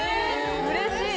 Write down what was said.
うれしい！